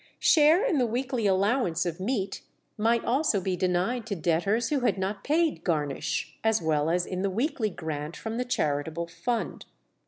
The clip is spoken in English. Share in the weekly allowance of meat might also be denied to debtors who had not paid "garnish," as well as in the weekly grant from the charitable fund.